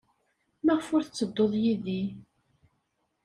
Maɣef ur tettedduḍ yid-i?